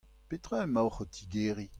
Petra emaoc'h o tigeriñ ?